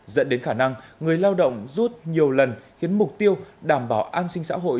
dẫn đến khả năng người lao động rút nhiều lần khiến mục tiêu đảm bảo an sinh xã hội